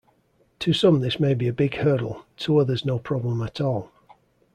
To some this may be a big hurdle, to others no problem at all.